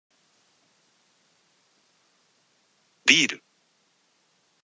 ビール